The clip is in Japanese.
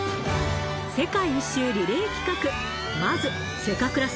世界一周リレー企画まずせかくら